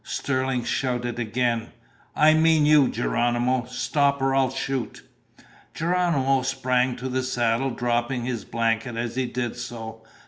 Sterling shouted again: "I mean you, Geronimo! Stop or I'll shoot!" Geronimo sprang to the saddle, dropping his blanket as he did so.